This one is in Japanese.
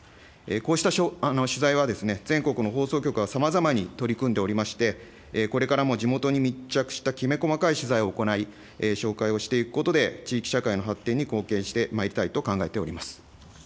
こうした取材は、全国の放送局がさまざまに取り組んでおりまして、これからも地元に密着したきめ細かい取材を行い、紹介をしていくことで、地域社会の発展に貢献してまいりたいと考えております。